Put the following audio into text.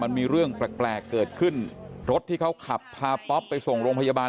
มันมีเรื่องแปลกเกิดขึ้นรถที่เขาขับพาป๊อปไปส่งโรงพยาบาล